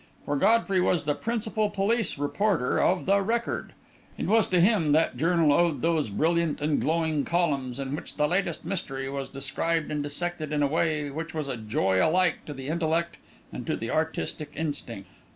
For Godfrey was the principal police reporter of the Record; it was to him that journal owed those brilliant and glowing columns in which the latest mystery was described and dissected in a way which was a joy alike to the intellect and to the artistic instinct.